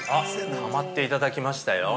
◆ハマっていただきましたよ。